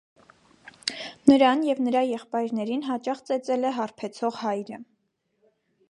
Նրան և նրա եղբայրներին հաճախ ծեծել է հարբեցող հայրը։